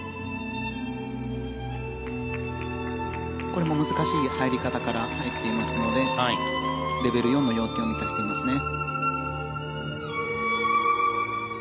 これも難しい入り方から入っていますのでレベル４の要件を満たしていますね。